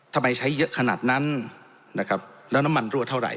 ทำไมใช้เยอะขนาดนั้นแล้วน้ำมันรั่วเท่าไหร่